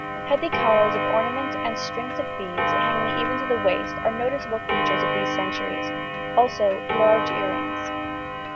Heavy collars of ornament and strings of beads, hanging even to the waist, are noticeable features of these centuries, also large ear rings.